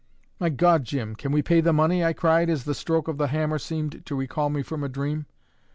"My God, Jim, can we pay the money?" I cried, as the stroke of the hammer seemed to recall me from a dream.